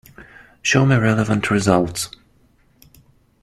Show me relevant results.